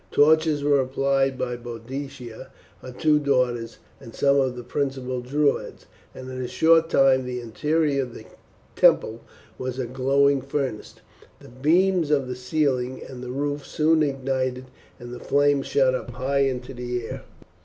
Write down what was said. Torches were applied by Boadicea, her two daughters and some of the principal Druids, and in a short time the interior of the temple was a glowing furnace. The beams of the ceiling and roof soon ignited and the flames shot up high into the air.